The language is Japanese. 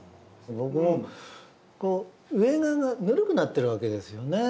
僕もこう上側がぬるくなってるわけですよね。